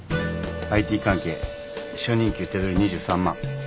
ＩＴ関係初任給手取り２３万。